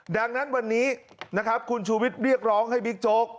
ดังนั้นวันนี้นะครับคุณชูวิทย์เรียกร้องให้บิ๊กโจ๊ก